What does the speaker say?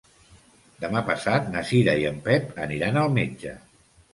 Demà passat na Cira i en Pep aniran al metge.